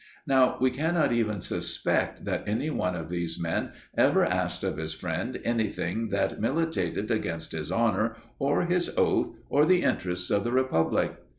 Now, we cannot even suspect that any one of these men ever asked of his friend anything that militated against his honour or his oath or the interests of the republic.